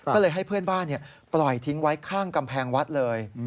ก็เลยให้เพื่อนบ้านปล่อยทิ้งไว้ข้างกำแพงวัดเลย